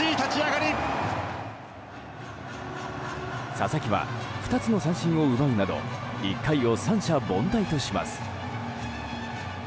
佐々木は２つの三振を奪うなど１回を三者凡退とします。